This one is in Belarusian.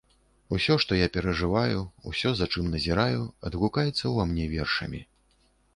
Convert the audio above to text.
Усё, што я пражываю, усё, за чым назіраю, адгукаецца ўва мне вершамі.